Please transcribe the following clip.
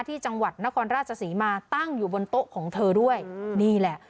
ที่จังหวัดนครราชศรีมาตั้งอยู่บนโต๊ะของเธอด้วยนี่แหละ